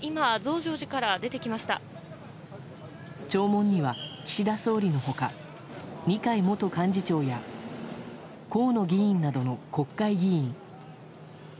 弔問には、岸田総理の他二階元幹事長や河野議員などの国会議員。